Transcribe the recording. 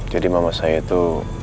jadi mama saya itu